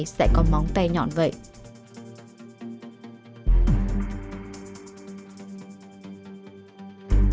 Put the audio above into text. này sẽ lại có móng tay nhọn vậy ừ ừ